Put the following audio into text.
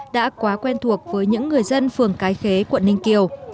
đã quá quen thuộc với những người dân phường cái khế quận ninh kiều